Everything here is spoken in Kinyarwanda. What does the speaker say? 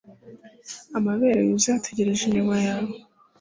amabere yuzuye ategereje iminwa yawe